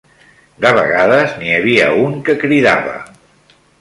De vegades n'hi havia un que cridava